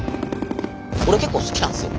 俺結構好きなんすよ。